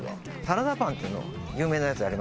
サラダパンっていうの有名なやつありますよね。